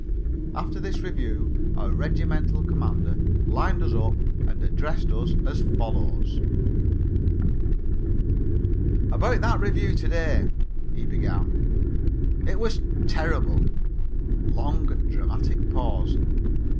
After the review our regimental commander lined us up and addressed us as follows: "About that review to day," he began, "it was terrible" (long, dramatic pause).